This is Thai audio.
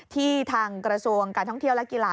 ทางกระทรวงการท่องเที่ยวและกีฬา